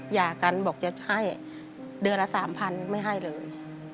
หย่ากันบอกจะให้เดือนละ๓๐๐ไม่ให้เลย